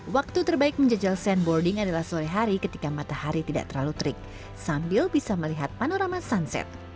waktu terbaik menjajal sandboarding adalah sore hari ketika matahari tidak terlalu terik sambil bisa melihat panorama sunset